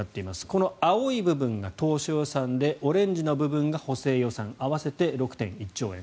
この青い部分が当初予算でオレンジ部分が補正予算合わせて６．１兆円。